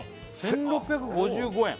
１６５５円